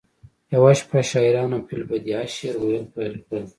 یوه شپه شاعرانو فی البدیهه شعر ویل پیل کړل